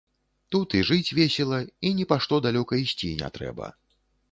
Тут і жыць весела і ні па што далёка ісці не трэба.